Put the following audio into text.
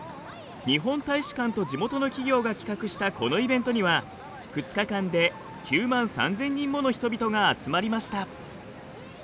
日本大使館と地元の企業が企画したこのイベントには２日間で９万３，０００人もの人々が集まりました。